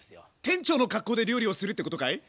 店長の格好で料理をするってことかい？